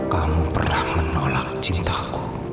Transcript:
kamu pernah menolak cintaku